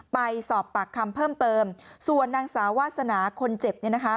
ไปสอบปากคำเพิ่มเติมส่วนนางสาววาสนาคนเจ็บเนี่ยนะคะ